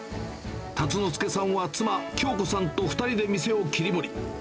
辰之助さんは妻、京子さんと２人で店を切り盛り。